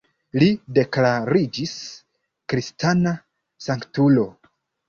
Li deklariĝis kristana sanktulo.